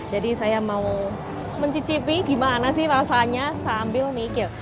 jadi saya mau mencicipi gimana sih rasanya sambil mikir